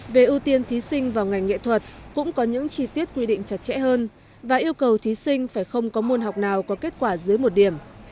về ưu tiên thí sinh vào ngành nghệ thuật cũng có những chi tiết quy định chặt chẽ hơn và yêu cầu thí sinh phải không có môn học nào có kết quả dưới một điểm